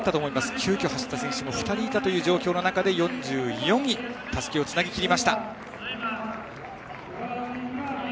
急きょ走った選手も２人いた中で４４位でたすきをつなぎきりました。